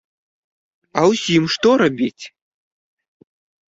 А ўсім што рабіць?